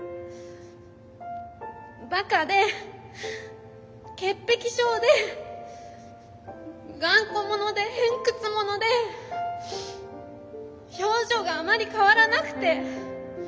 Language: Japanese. バカで潔癖症で頑固者で偏屈者で表情があまり変わらなくて。